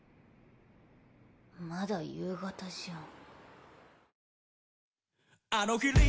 まだ夕方じゃん。